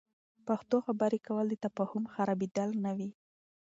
پښتو خبرې کول، د تفهم خرابیدل نه وي.